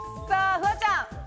フワちゃん。